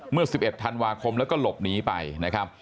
เมื่อ๑๑ธันวาคมแล้วก็หลบหนีไปนะครับ